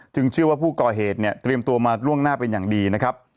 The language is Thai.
เชื่อว่าผู้ก่อเหตุเนี่ยเตรียมตัวมาล่วงหน้าเป็นอย่างดีนะครับ